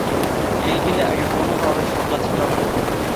এই বিলে আগে কোনো ধরনের শাপলা ছিল না।